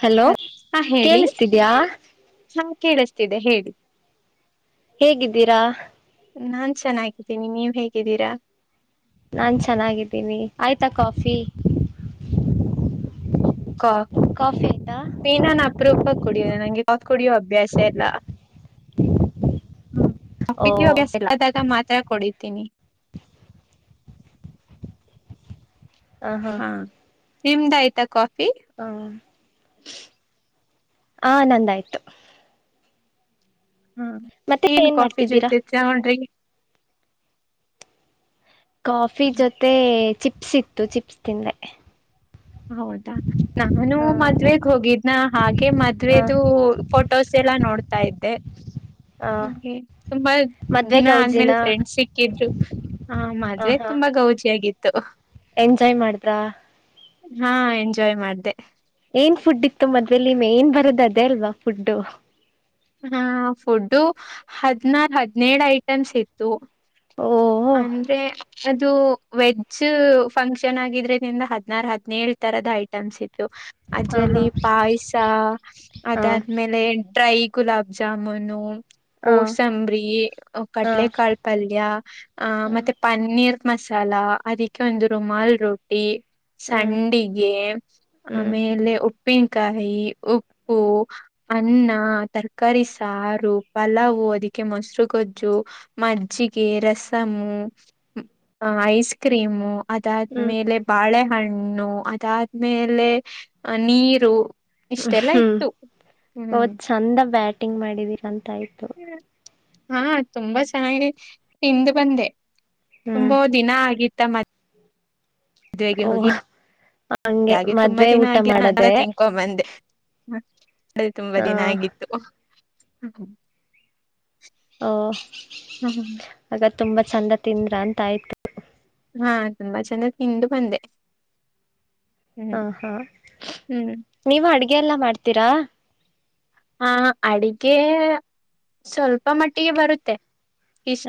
Hello ಹ ಹಾ ಹೇಳಿ ಕೇಳಿಸ್ತಿದ್ಯಾ ಹಾ ಕೇಳಿಸತಿದೆ ಹೇಳಿ [unintelligible] ಹೇಗಿದ್ದೀರಾ [unintelligible] ನಾನ್ ಚೆನ್ನಾಗಿದ್ದೀನಿ ನೀವ್ ಹೇಗಿದ್ದೀರಾ [unintelligible] ನಾನ್ ಚೆನ್ನಾಗಿದ್ದೀನಿ ಆಯ್ತಾ ಕಾಫಿ [unintelligible] [inaudible] ಕಾಫಿ ಐತಾ? ಇ ನಾನ್ ಅಪರೂಪ ಕುಡಿಯೋದು ನಂಗೆ ಕಾಪಿ ಕುಡಿಯೋ ಅಭ್ಯಾಸ ಇಲ್ಲ. ಹ್ಮ ಓ [unintelligible] ಮಾತ್ರ ಕುಡಿತೀನಿ. ಹಾ ನಿಮ್ದ ಆಯ್ತಾ ಕಾಫಿ? ಹ ಆ ನಂದಾಯ್ತು. ಹ್ಮ್ ಮತ್ತೆ ಏನ್ ಕಾಫಿ ಮಾಡ್ತಿದ್ದೀರಾ ಜೊತೆ ಚಾ ಬ್ರೆಡ್ ಕಾಫಿ ಜೊತೆ ಚಿಪ್ಸ್ ಇತ್ತು ಚಿಪ್ಸ್ ತಿಂದೆ. ಹೌದಾ ನಾನು ಹ ಮದ್ವೆಗ್ ಹೋಗಿದ್ನ ಹಾಗೆ ಹ ಮದ್ವೆದು ಫೋಟೋಸ್ ಎಲ್ಲ ನೋಡ್ತಾ ಇದ್ದೆ. ಹ ಹಾಗೆ ತುಂಬಾ ಮದ್ವೆ ದಿನ ಗೌಜಿನ ಆದ್ಮೇಲೆ ಫ್ರೆಂಡ್ ಸಿಕ್ಕಿದ್ರು. ಹ ಮದ್ವೆ ತುಂಬಾ ಗೌಜಿ ಆಗಿತ್ತು. ಎಂಜಾಯ್ ಮಾಡ್ತಾ ಹಾ ಎಂಜಾಯ್ ಮಾಡ್ದೆ. ಏನ್ ಫುಡ್ ಇತ್ತು ಮದ್ವೆಲಿ ಮೆನ್ ಬರೋದ ಅದೇ ಅಲ್ವಾ ಫುಡ್ಡು ಹಾ ಫುಡ್ ಹದಿನಾರ ಹದ್ನೇಳು ಐಟಮ್ಸ್ ಇತ್ತು. ಓಹೋ ಅಂದ್ರೆ ಅದ ಇದು ವೆಜ್ ಫಂಕ್ಷನ್ ಆಗಿದ್ರದಿಂದ ಹದ್ನಾರು ಹದ್ನೇಳ ತರದ ಐಟಮ್ಸ್ ಇದ್ದು. ಹ ಹಾ ಅದ್ರಲ್ಲಿ ಪಾಯಸ ಅದಾದ್ಮೇಲೆ ಡ್ರೈ- ಗುಲಾಬ್ ಜಾಮುನು ಹ ಕೋಸಂಬ್ರಿ ಹ ಕಡ್ಲೆಕಾಳ್ ಪಲ್ಯ ಆ ಹ ಹ್ಮ್ ಮತ್ತೆ ಪನ್ನೀರ್ ಮಸಾಲಾ ಅದಕ್ಕೆ ಒಂದು ರುಮಾಲ್ ರೊ ರೊಟ್ಟಿ ಹ್ಮ್ ಸಂಡಿಗೆ ಹ್ಮ್ ಆಮೇಲೆ ಉ ಉಪ್ಪಿನಕಾಯಿ ಉಪ್ಪು ಅನ್ನ ತರಕಾರಿ ಸಾರು ಪಲಾವು ಅದಕ್ಕೆ ಮೊಸರುಗೊಜ್ಜು ಮಜ್ಜಿಗೆ ರಸಮು ಐಸ್ ಕ್ರೀಮು ಹ್ಮ್ ಅದಾದ್ಮೇಲೆ ಬಾಳೆಹಣ್ಣು ಅದಾದ್ಮೇಲೆ ನೀರು ಇಷ್ಟೆಲ್ಲಾ ಹ್ಮ್ ಇತ್ತು ಹ್ಮ್. ಅವತ್ ಚಂದ ಬ್ಯಾಟಿಂಗ್ ಮಾಡಿದೀರ ಅಂತ ಆಯ್ತು. ಹಾ ತುಂಬಾ ಚೆನ್ನಾಗಿ ತಿಂದು ಬಂದೆ ಹ್ಮ್ ತುಂಬಾ ದಿನ ಆಗಿತ್ತ ಮತ್ತೆ ಮದ್ವೆಗೆ ಓ ಹೋಗಿ ಹಂಗೆ ಹಾಗೆ ತುಂಬಾ ಮದ್ವೆ ದಿನ ಊಟ ಆಗಿಲ್ಲ ಮಾಡದೆ ತಿನ್ಕೊಂದ ಬಂದೆ. ಅದು ತುಂಬಾ ಆ ದಿನ ಆಗಿತ್ತು. ಓ ಹ್ಮ್ ಹಾಗ ತುಂಬಾ ಚಂದ ತಿಂದ್ರ ಅಂತ ಆಯ್ತು ಹಾ ತುಂಬಾ ಚೆನ್ನಾಗಿ ತಿಂದ ಬಂದೆ. ಹಾ ಹ್ಮ್ ಹಾ ಹ್ಮ್ ನೀವ ಅಡ್ಗೆ ಎಲ್ಲಾ ಮಾಡ್ತೀರಾ? ಹಾ ಅಡಿಗೆ ಸ್ವಲ್ಪ ಮಟ್ಟಿಗೆ ಬರುತ್ತೆ.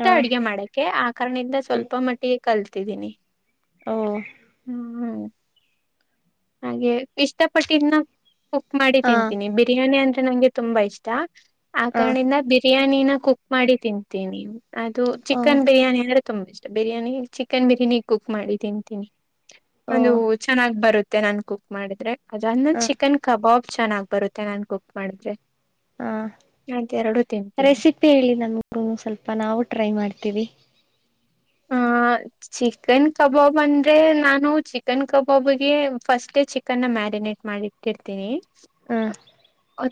ಹ ಅಡ್ಗೆ ಮಾಡಕ್ಕೆೆ ಆ ಕಾರಣದಿಂದ ಹ್ಮ್ ಸ್ವಲ್ಪ ಮಟ್ಟಿಗೆ ಕಲ್ತಿದೀನಿ. ಓ ಹ್ಮ್. ಹಾಗೆ ಇಷ್ಟಪಟ್ಟಿದನ ಕುಕ್ ಮಾಡಿ ಹಾ ತಿಂತೀನಿ. ಬಿರಿಯಾನಿ ಅಂದ್ರೆ ನಂಗೆ ತುಂಬಾ ಇಷ್ಟ ಆ ಹ ಕಾರಣದಿಂದ ಬಿರಿಯಾನಿನ ಕುಕ್ ಮಾಡಿ ತಿಂತೀನಿ. ಅದು ಓ ಚಿಕನ್ ಬಿರಿಯಾನಿ ಅಂದ್ರೆ ತುಂಬಾ ಇಷ್ಟ ಬಿರಿಯಾನಿ ಚಿಕನ್ ಬಿರಿಯಾನಿ ಕುಕ್ ಮಾಡಿ ತಿಂತೀನಿ. ಓ ಒಂದು ಚೆನ್ನಾಗ್ ಬರುತ್ತೆ ನಾನ್ ಕುಕ್ ಮಾಡಿದ್ರೆ ಅದಂದ ಹ ನಾ ಚಿಕನ್ ಕಬಾಬ್ ಚೆನ್ನಾಗ್ ಬರುತ್ತೆ ನಾನ್ ಕುಕ್ ಮಾಡಿದ್ರೆ. ಹಾ ಅದ್ ಎರಡು ತಿಂತೀನಿ ರೆಸಿಪಿ ಹೇಳಿ ನನ್ಗೂ ಸ್ವಲ್ಪ ನಾವು ಟ್ರೈ ಮಾಡ್ತೀವಿ. ಹ ಚಿಕನ್ ಕಬಾಬ್ ಅಂದ್ರೆ ನಾನು ಚಿಕನ್ ಕಬಾಬ್ಗೆ ಫಸ್ಟ್ ಚಿಕನ್ ಮ್ಯಾರಿನೇಟ್ ಮಾಡಿದ್ದನಿ ಕರ್ತೀನಿ ಹ್ಮ್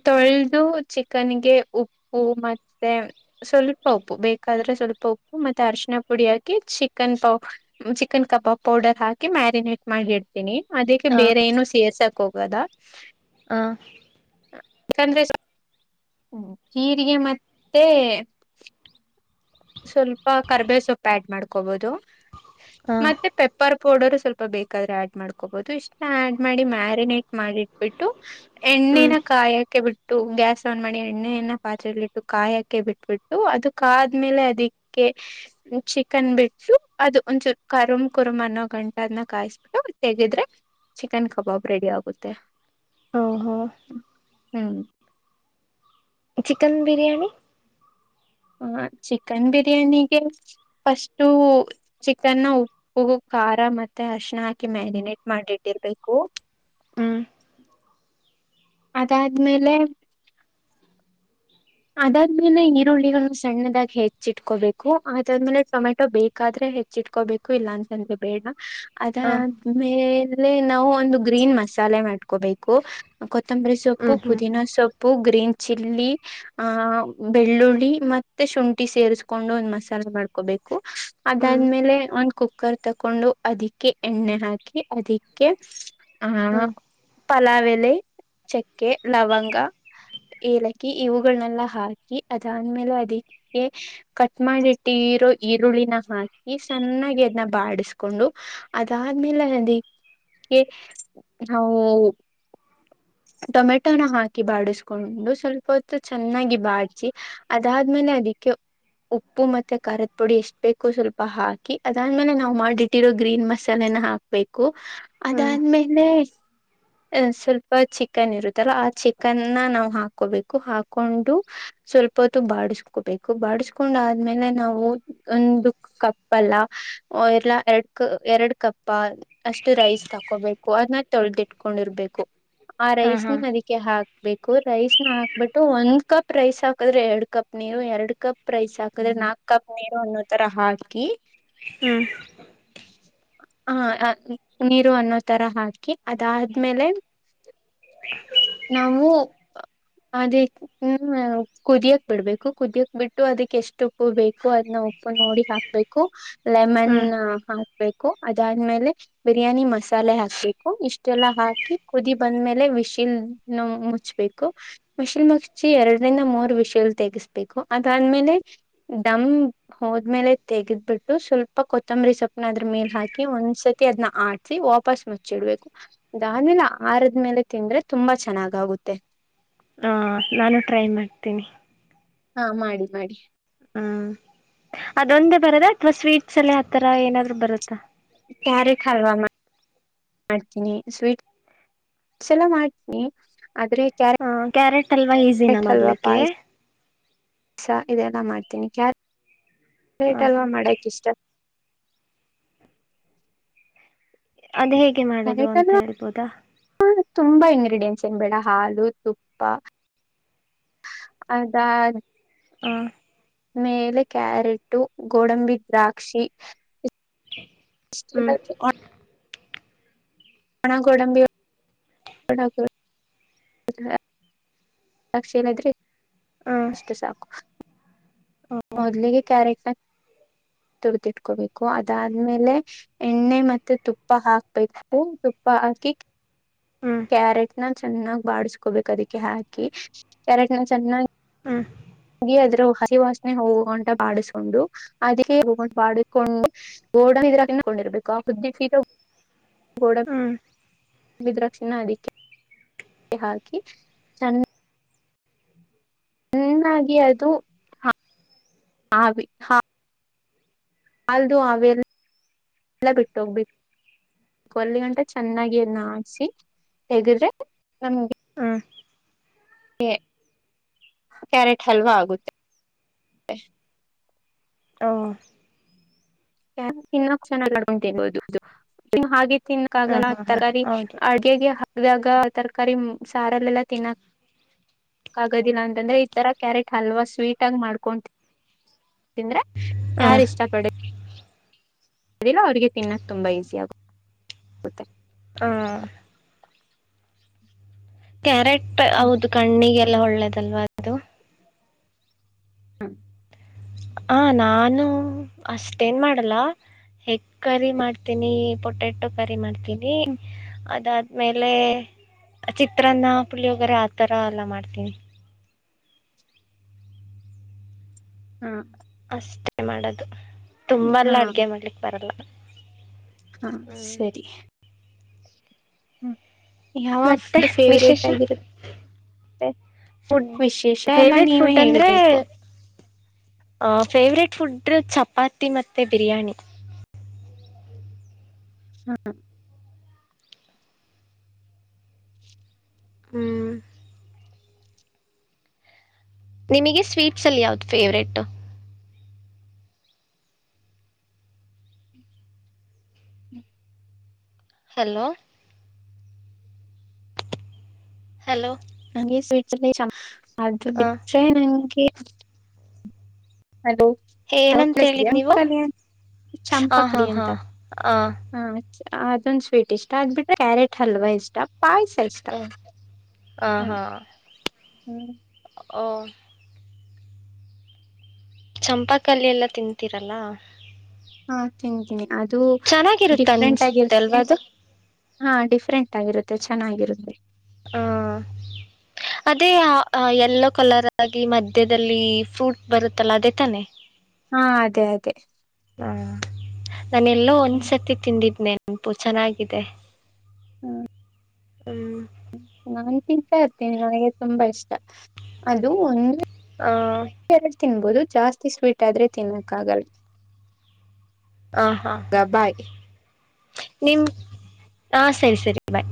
ತೊಳೆದು ಚಿಕನ್ಗೆ ಉಪ್ಪು ಮತ್ತೆ ಸ್ವಲ್ಪ ಉಪ್ಪು ಬೇಕಾದ್ರೆ ಸ್ವಲ್ಪ ಉಪ್ಪು ಮತ್ತೆ ಅರಶಣ ಪುಡಿ ಹಾಕಿ ಚಿಕನ್ ಪಾವ ಚಿಕನ್ ಕಬಾಬ್ ಪೌಡರ್ ಹಾಕಿ ಮ್ಯಾರಿನೇಟ್ ಮಾಡಿಡ್ತೀನಿ ಅದಕ್ಕೆ ಹ ಬೇರೆ ಏನು ಸೇರ್ಸಾಕ್ ಹೋಗದ [unintelligible] ಯಾಕಂದ್ರೆ ಹ್ಮ ಜೀರಿಗೆ ಮತ್ತೆ ಸ್ವಲ್ಪ ಕರ್ಬೇ ಸೊಪ್ಪ ಆಡ್ ಮಾಡ್ಕೋಬಹುದು ಹ ಮತ್ತೆ ಪೆ ಉಪ್ಪಾರ್ ಪೌಡರ್ ಸ್ವಲ್ಪ ಬೇಕಾದ್ರೆ ಆಡ್ ಮಾಡ್ಕೋಬಹುದು ಇಷ್ಟ ಆ್ಯಡ್ ಮಾಡಿ ಮ್ಯಾರಿನೇಟ್ ಮಾಡಿಟ್ಬಿಟ್ಟು ಹ್ಮ್ ಎಣ್ಣಿನ ಕಾಯಕ್ಕೆ ಬಿಟ್ಟ ಗ್ಯಾಸ್ ಆನ್ ಮಾಡಿ ಎಣ್ಣೆಣ್ಣ ಪಾತ್ರರೆೆಯಲ್ಲಿ ಇಟ್ಟು ಕಾಯಕ ಬಿಟ್ಬಿಟ್ಟು ಅದು ಆದ್ಮೇಲೆ ಅದಕ್ಕೆ ಚಿಕನ್ ಬಿಟ್ಟಸು ಅದು ಒಂದಸೂ ಕರಮ್ ಕುರುಮ್ ಅನ್ನ ಗಂಟ ಅದ್ನ ಕಾಯಿಸ ತೆಗಿದ್ರೆ ಚಿಕನ್ ಕಬಾಬ್ ರೆಡಿ ಆಗುತ್ತೆ ಓ ಹೋ ಹ್ಮ್ ಚಿಕನ್ ಬಿರಿಯಾನಿ ಹ ಚಿಕನ್ ಬಿರಿಯಾನಿಗೆ ಫಸ್ಟು ಚಿಕನ್ನ ಉಪ್ಪು ಖಾರ ಮತ್ತೆ ಅಶಣ ಹಾಕಿ ಮ್ಯಾರಿನೇಟ್ ಮಾಡಿಟ್ಟಿರ್ಬೇಕು ಹ್ಮ್ ಅದಾದ್ಮೇಲೆ ಅದಾದ್ಮೇಲೆ ಈರುಳ್ಳಿಗಳನ್ನ ಸಣ್ಣದಾಗಿ ಹೆಚ್ಚಿಟ್ಕೋಬೇಕು ಅದಾದ್ಮೇಲೆ ಟೊಮೆಟೊ ಬೇಕ ಬಾದ್ರೆ ಹೆಚ್ಚಿಟ್ಕೋಬೇಕು ಇಲ್ಲ ಅಂತಂದೆ ಬೇಡ ಹ ಅದಾದ್ಮೇಲೆ ನಾವು ಒಂದು ಗ್ರೀನ್ ಮಸಾಲೆ ಮಾಡ್ಕೋಬೇಕು ಕೊದಂಬರಿ ಸೊಪ್ಪು ಹ್ಮ್ ಹ್ಮ್ ಪುುದಿನ ಸೊಪು ಗ್ರೀನ್ ಚಲ್ಲಿ ಆಹ ಬೆಳ್ಳುಳ್ಳಿ ಮತ್ತೆ ಶುಂಠಿ ಸೇರಿಸಕೊಂಡು ಒಂದ್ ಮಸಾಲೆ ಮಾಡ್ [unintelligible] ಹ್ಮ್ ಅದಾದ್ಮೇಲೆ ಒಂದ ಕು ಕುಕ್ಕರ್ ತಕೊಂಡು ಅದಿಕ್ಕೆ ಎಣ್ಣೆ ಹಾಕಿ ಅದಿಕ್ಕೆ ಆಹ ಹ್ಮ್ ಪಲಾವೆಲೆ ಚಕ್ಕೆ ಲವಂಗ ಏಲಕ್ಕಿ ಇವು ಗಳನೆೆಲ್ಲ ಹಾಕಿ ಅದಾದ್ಮೇಲೆ ಅದಕ್ಕೆ ಕಟ್ ಮಾಡಿ ಇಟ್ಟಿರೋ ಈರುಳ್ಳಿನ ಹಾಕಿ ಸನ್ನಾಗಿ ಅದನ್ನ ಬಾಡಿಸಕೊಂಡು ಅದಾದ್ಮೇಲೆ [unintelligible] ನಾವು ಟೊಮೆಟೊನ ಹಾಕಿ ಬಾಡಿಸ್ಕೊಂಡು ಸ್ವಲ್ಪ ಹೊತ್ತು ಚೆನ್ನಾಗಿ ಬಾಚಿ ಅದಾದ್ಮೇಲೆ ಅದಿಕ್ಕೆ ಉಪ್ಪು ಮತ್ತೆ ಖಾರದ ಪುಡಿ ಎಷ್ಟು ಬೇಕು ಸ್ವಲ್ಪ ಹಾಕಿ ಅದಾದ್ಮೇಲೆ ನಾವು ಮಾಡಿಟ್ಟಿರೋ ಗ್ರೀನ್ ಮಸಾಲೆನ ಹಾ ಬೇಕು ಹ್ಮ್ ಅದಾದ್ಮೇಲೆ ಸ್ವಲ್ಪ ಚಿಕ್ ಕನ್ ಇರುತ್ತಲ್ಲ ಆ ಚಿಕನ್ನ ನಾವು ಹಾಕೋಬೇಕು ಹಾಕೊಂಡು ಸ್ವಲ್ಪ ಹೊತ್ತು ಬಾಡಸ್ಕೋಬೇಕು ಬಾಡಸ್ಕೊಂಡ ಆದ್ಮೇಲೆ ನಾವು ಒಂದು ಕಪ್ಪ ಅಲ್ಲ ಎಲ್ಲಾ ಎರಡ್ ಕಪ್ಪ ಅಷ್ಟು ರೈಸ್ ತಾಕೋಬೇಕು ಅದನ್ನ ತೊಳೆ್ದಿಟ್ಕೊಂಡಿರ್ಬೇಕು ಆ ಹ ರೈಸ್ ಹಾ ನ ಅದಕ್ಕೆ ಹಾಕ್ಬೇಕು ರೈಸ್ ನ ಹಾಕ್ಬಿಟ್ಟು ಒಂದ ಕಪ್ ರೈಸ್ ಹಾಕಿದ್ರೆ ಎರಡ್ ಕಪ್ ನೀರು ಎರ ಕಪ್ ರೈಸ್ ಹಾಕಿದ್ರೆ ನಾಕ್ ಕಪ್ ನೀರು ಅನ್ನೋ ತರ ಹಾಕಿ [unintelligible] ಹ್ಮ ಹ ನೀರು ಅನ್ನೋ ತರ ಹಾಕಿ ಅದಾದ್ಮೇಲೆ ನಾವು ಅದೇ ಹ್ಮ್ ಕುದಿಯಕ್ ಬಿಡ್ಬೇಕು ಕುದಿಯಕ್ ಬಿಟ್ಟು ಅದಕ್ ಎಷ್ಟು ಉಪ್ಪು ಬೇಕು ಅದನ್ನ ಉಪ್ಪು ನೋಡಿ ಹಾಕ್ ಹ ಬು ಲೆಮನ್ ಹ್ಮ್ ಹಾಕ್ಬೇಕು ಅದಾದ್ಮೇಲೆ ಬಿರಿಯಾನಿ ಮಸಾಲೆ ಹಾಕ್ಬೇಕು ಇಷ್ಟೆಲ್ಲಾ ಹಾಕಿ ಕುದಿ ಬಂದ್ಮೇಲೆ ವಿಸಿಲ್ ನ ಮುಚ್ಬೇಕು ಮಿಸಿಲು ಮುಗಚಿ ಎರಡರಿಂದ ಮೂರ್ರು ವಿಷಲು ತಗಸ್ ಕು ಅದಾದ್ಮೇಲೆ ದಮ್ ಹೋದ್ಮೇಲೆ ತೆಗೆದ್ಬಿಟ್ಟು ಸ್ವಲ್ಪ ಕೊತ್ತಂಬರಿ ಸೊಪ್ಪನ ಅದ್ರ ಮೇಲೆ ಹಾಕಿ ಒಂದ್ಸತಿ ಅದ್ ಆಟ ವಾಪಸ್ ಮುಚ್ಚಿಡ್ಬೇಕು ಅಾದೆಲೆ ಆರದ್ಮೇಲೆ ತಿಂದ್ರೆ ತುಂಬಾ ಚೆನ್ನಾಗ್ಗುತ್ತೆ ಹ ನಾನು ಟ್ರೈ ಮಾಡ್ತೀನಿ ಹಾ ಮಾಡಿ ಮಾಡಿ ಹ್ಮ್ ಅದೊಂದೇ ಬರದಾ ಅಥವಾ ಸ್ವೀಟ್ಸ್ ಅಲ್ಲೇ ಆತರ ಏನಾದ್ರು ಬರುತ್ತಾ ಕ್ಯಾರೆಟ್ ಹಲ್ವಾ ಮಾಡ್ತೀನಿ ಸ್ವೀಟ್ ಸಲ ಮಾಡನಿ ಆದ್ರೆ ಹ ಕ್ಯಾರೆಟ್ ಅಲ್ವಾ ಈಸಿನ ಮಾಡ್ಲಿಕ್ಕೆ ಸ ಇದೆಲ್ಲ ಮಾಡ್ತೀನಿ ಕ್ಯ ಕ್ಯಾರೇಟ್ ಹ ಅಲ್ವಾ ಮಾಡಕ್ ಇಷ್ಟ ಅದು ಹೇಗೆ ಮಾಡದು ಅಂತ ಹೇಳ್ಬೋದಾ ಹಾ ತುಂಬಾ ಇಂಗ್ರಿಡಿಯಂಟ್ಸ್ ಏನ್ ಬೇಡ ಹಾಲು ತುಪ್ಪ ಅದಾ ಹ ಮೇಲೆ ಕ್ಯಾರೆಟು ಗೋಡಂಬಿ ದ್ರಾಕ್ಷಿ ಎಷ್ಟ ಹ್ಮ್ [unintelligible] ಹಣ ಗಡಂಬಿ ಕಡ [unintelligible] ದಕ್ಷಿ ಏನ ಇದ್ರೆ ಎಷ್ಟು ಸಾಕು [unintelligible] ಹ ಮೊದ್ಲಿಗೆ ಕ್ಯಾರೆಕ್ಟ ತುಡ್ದಿಟ್ಕೋಬೇಕು ಅದಾದ್ಮೇಲೆ ಎಣ್ಣೆ ಮತ್ತೆ ತುಪ್ಪ ಹಾಕ್ಬೇಕು ತುಪ್ಪ ಹಾಕಿ ಹ್ಮ್ ಕ್ಯಾರೆಟ್ ನ ಚೆನ್ನಾಗ್ ಬಾಸ್ಕೋಬೇಕು ಅದಕ್ಕೆ ಹಾಕಿ ಕ್ಯಾರೆಟ್ ನ ಚೆನ್ನ ಹ್ಮ ಅದ್ರ ಹಸಿವಾಸನೆ ಹೋಗುವಂತ ಬಾಿಸೊಂಡು ಅದ ಮಾಡಿಕೊಂಡು ಓಡನ್ ಇದ್ರಾಕಕೊಂಡಿರ್ಬೇಕು ಆ ಹುದ್ದಿೀ ಗೋಡ ಹ್ಮ್ ವಿದ್ರಕ್ಷಿಣಾ ಅಧಿಕ ಹಾಕಿ ಚ ಹನ್ನಾಗಿ ಅದು ಹ [unintelligible] ಅಲ್ದು ಅವೆಲ್ಲ ಎಲ್ಲ ಬಿಟ್ಟೋಗ್ಬಿ [unintelligible] ಕೊಲ್ ಗಂಟೆ ಚೆನ್ನಾಗಿ ಎಲ್ಲ ಹಾಚಿ ತೆಗೆದ್ರೆ ನಮ್ಗೆ [unintelligible] ಹ ಕ್ಯಾರೆಟ್ ಹಲ್ವಾ ಆಗುತ್ತೆ ಹ ತಿನ್ನೋಕ್ ಚೆನ್ನ ಅಡ್ಕೊಂಡ ತಿನ್ಬದು ಹಾಗೆ ಹ ತಿನ್ನಕ್ಕಾಗಲ್ಲ ಹಾ ಹಾ ತರಾರಿ [unintelligible] ಹೌದು ಅಗೆ ಹಾಗ ತರಕಾರಿ ಸಾರಲ್ಲಲ್ಲಾ ತಿನ್ನಾಕ್ [inaudible] ಆಗೋದಿಲ್ಲ ಅಂದ್ರೆ ಈ ತರ ಕ್ಯಾರೆಟ್ ಹಲ್ವ ಸ್ವೀಟ್ ಆಗ ಮಾಡ್ಕೊಂಡ ತಿಂದ್ರೆ ಹ ಯಾರ ಇಷ್ಟ ಪಡ ಅದಿಲ್ಲ ಅವ್ರರಿಗೆ ತಿನ್ನಕ್ ತುಂಬ ಈಸಿ ಆಗು ಹಾ ಕ್ಯಾರೆಟ್ ಹ್ಮ್ ಹೌದು ಕಣ್ಣಿಗೆಲ್ಲ ಹ್ಮ್ ಒಳ್ಳೇದಲ್ವಾ ಅದ ಹ್ಮ ಹ ನಾನು ಅಷ್ಟೇನ್ ಮಾಡಲ್ಲ ಹೆಗ್ ಕರಿ ಮಾಡ್ತೀನಿ ಪೊಟೆಟೊ ಕರಿ ಮಾಡ್ತೀನಿ. ಅದಾದ್ಮೇಲೆ ಚಿತ್ರಾನ್ನ ಪುಳಿಯೋಗರೆ ಆತರ ಎಲ್ಲ ಮಾಡ್ತೀನಿ ಹ್ಮ ಅಷ್ಟೇ ಮಾಡದು ತುಂಬಲ್ಲ ಹ್ಮ್ ಅಡ್ಗೆ ಮಾಡ್ಲಿಕ್ ಬರಲ್ಲ ಹಾ ಹ್ಮ್ ಸರಿ ಹ್ಮ್ ಯಾವ ಮತ್ತೆ ಫುಡ್ ಫೇವರೆಟ್ ವಿಶೇಷ ಆಗಿರುತ್ತೆ ಮತ್ತೆ ಫುಡ್ ವಿಶೇಷ ಎಲ್ಲ ಫೇವ್ರೆಟ್ ನೀವೇ ಫುಡ್ ಹೇಳ್ಬೇಕು. ಫೇವರೆಟ್ ಫುಡ್ ಚಪಾತಿ ಮತ್ತೆ ಬಿರಿಯಾನಿ ಹ್ಮ ಹ್ಮ್ ನಿಮಗೆ ಸ್ವೀಟ್ಸ್ ಅಲ್ಲಿ ಯಾವ್ದು ಫೇವರೆಟ್ ಹಲೋ ಹಲೋ ನಂಗೆ ಸ್ವೀಟ್ಸ್ ಲಿ ಚಾ ಅದು ಹಾಂ ಬಿಟ್ರೆ ನಂಗೆ ಹಲೋ ಹ ಏನಂತ ಕ್ಲ ಹೇಳಿದ್ ನೀವು ಎಂಪರಲ್ಲಿ ಆ ಹಾ ಚಂಪಕಡಿ ಹಾ ಅಂತ ಆ ಹಾ ಅದೊಂದ್ ಸ್ವೀಟ್ ಇಷ್ಟ ಅದ್ ಬಿಟ್ರೆ ಕ್ಯಾರೆಟ್ ಹಲ್ವಾ ಇಷ್ಟ. ಪಾಯ್ಸ ಇಷ್ಟ ಹ್ಮ್ ಆ ಹ್ಮ ಹಾ ಹ್ಮ ಓ ಚಂಪಾಕಲ್ಲಿ ಎಲ್ಲ ತಿಂತೀರಲ್ಲ ಹಾ ತಿಂತೀನಿ ಅದು ಚೆನ್ನಾಗಿರುತ್ತ ಡಿಫ್ರೆಂಟಾಗಿರುತ್ತೆ. ಅನ್ಸ್ತಲ್ವಾ ಅದು ಹಾ ಡಿಫ್ರೆಂಟ್ ಆಗಿರುತ್ತೆ ಚೆನ್ನಾಗಿರುತ್ತೆ. ಹ ಅದೇ ಎಲ್ಲೋ ಕಲರ್ ಆಗಿ ಮಧ್ಯದಲ್ಲಿ ಫ್ರೂಟ್ ಬರುತ್ತಲ್ಲ ಅದೇ ತಾನೆ ಹಾ ಅದೇ ಅದೇ ಹ ನಾನ ಎಲ್ಲೋ ಹ್ಮ್ ಒಂದ್ಸತಿ ತಿಂದಿದ್ದ ನೆನ ಗುಂಪು ಚೆನ್ನಾಗಿದೆ. ಹ್ಮ ಹ್ಮ ನಾನ್ ಹಾಗೆ ತಿಂತಾ ಇರ್ತೀನಿ ನನಗೆ ತುಂಬಾ ಇಷ್ಟ ಅದು ಒಂದ್ ಹಾ ಎರಡು ತಿನ್ಬೋದು ಜಾಸ್ತಿ ಸ್ವೀಟ್ ಆದ್ರೆ ತಿನ್ನಕ್ ಆಗಲ್ಲ. ಹ ಹಾ ಹಾ ಬಾಯ್ ನಿಮ್ ಹ ಸರಿ ಸರಿ ಬಾಯ್